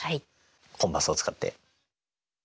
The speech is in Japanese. コンパスを使って！